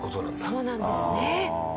そうなんですね。